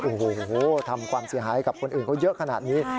โอ้โหทำความเสียหายกับคนอื่นเขาเยอะขนาดนี้